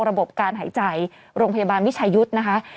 ระบบการหายใจโรงพยาบาลวิชายุทธ์นะคะ